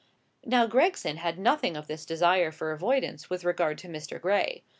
Now Gregson had nothing of this desire for avoidance with regard to Mr. Gray.